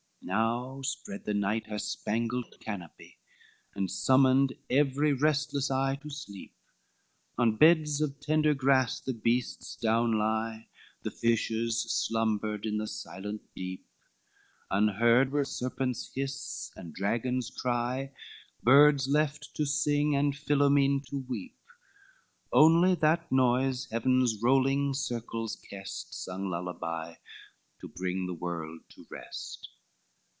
XCVI Now spread the night her spangled canopy, And summoned every restless eye to sleep; On beds of tender grass the beasts down lie, The fishes slumbered in the silent deep, Unheard were serpent's hiss and dragon's cry, Birds left to sing, and Philomen to weep, Only that noise heaven's rolling circles kest, Sung lullaby to bring the world to rest.